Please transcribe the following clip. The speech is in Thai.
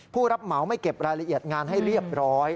ผู้รับเหมาไม่เก็บรายละเอียดงานให้เรียบร้อย